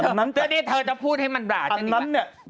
อะไรนะครีมวิดีโอให้มาช่วยได้ไหมคะไม่ได้